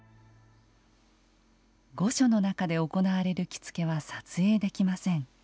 御所の中で行われる着付けは撮影できません。